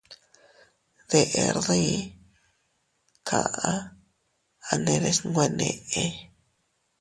Deʼer dii, kaʼa a nderes nwe neʼe.